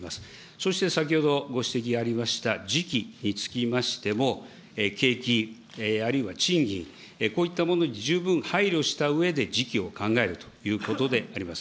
そして先ほど、ご指摘がありました時期につきましても、景気、あるいは賃金、こういったものに十分配慮したうえで時期を考えるということであります。